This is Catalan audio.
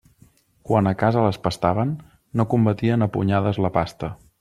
Quan a casa les pastaven, no combatien a punyades la pasta.